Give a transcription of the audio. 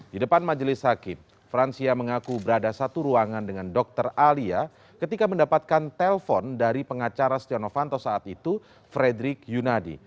di depan majelis hakim fransia mengaku berada satu ruangan dengan dokter alia ketika mendapatkan telpon dari pengacara stiano fanto saat itu frederick yunadi